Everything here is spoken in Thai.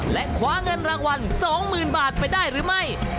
และขวาเงินรางวัลสองหมื่นบาทไปได้หรือไม่